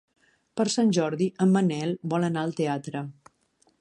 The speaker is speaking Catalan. Per Sant Jordi en Manel vol anar al teatre.